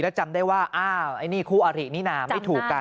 แล้วจำได้ว่าอ้าวไอ้นี่คู่อารินี่นะไม่ถูกกัน